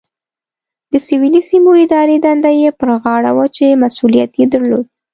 د سویلي سیمو اداري دنده یې په غاړه وه چې مسؤلیت یې درلود.